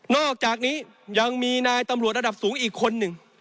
อกจากนี้ยังมีนายตำรวจระดับสูงอีกคนหนึ่ง